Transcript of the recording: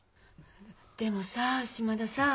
でもさ島田さん。